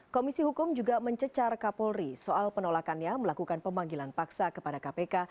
komisi hukum juga mencecar kapolri soal penolakannya melakukan pemanggilan paksa kepada kpk